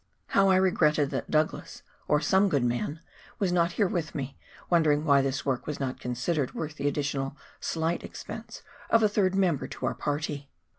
How I regretted that Douglas, or some good man, was not with me here, and wondered why this work was not considered worth the additional slight expense of a third member to our party.